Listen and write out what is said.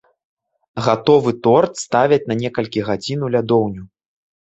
Гатовы торт ставяць на некалькі гадзін у лядоўню.